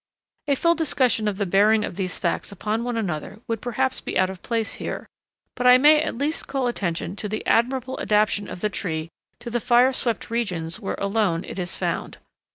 ] A full discussion of the bearing of these facts upon one another would perhaps be out of place here, but I may at least call attention to the admirable adaptation of the tree to the fire swept regions where alone it is found.